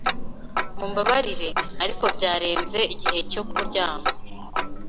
Mumbabarire, ariko byarenze igihe cyo kuryama.